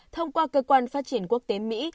thông qua cơ quan phát triển quốc tế mỹ